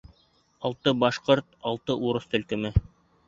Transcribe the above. — Алты башҡорт, алты урыҫ төркөмө.